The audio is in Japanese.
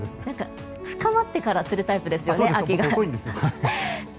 秋が深まってからするタイプですよね。